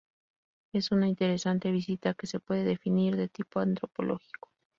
Es una interesante visita que se puede definir de tipo antropológico.